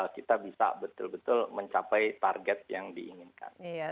kita bisa betul betul mencapai target yang diinginkan